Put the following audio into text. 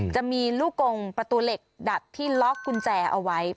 จะมีลูกกงประตูเหล็กดัดที่ล็อกกุญแจเอาไว้